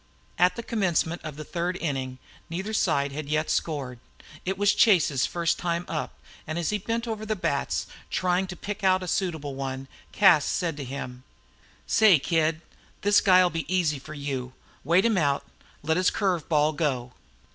At the commencement of the third inning neither side had yet scored. It was Chase's first time up, and as he bent over the bats trying to pick out a suitable one, Cas said to him: "Say, Kid, this guy 'll be easy for you. Wait him out now. Let his curve ball go."